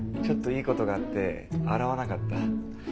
ちょっといい事があって洗わなかった。